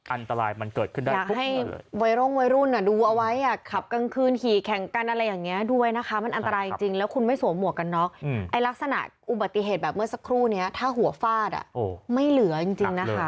อันตรายมันเกิดขึ้นได้บุ๊คมาเลย